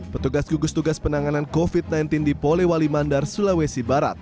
petugas gugus tugas penanganan covid sembilan belas di polewali mandar sulawesi barat